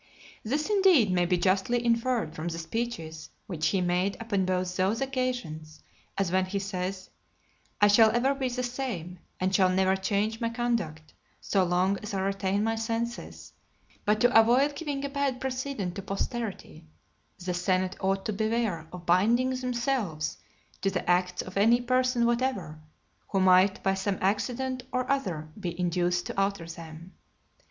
This, indeed, may be justly inferred from the speeches which he made upon both those occasions; as when he says, "I shall ever be the same, and shall never change my conduct, so long as I retain my senses; but to avoid giving a bad precedent to posterity, the senate ought to beware of binding themselves to the acts of (234) any person whatever, who might by some accident or other be induced to alter them."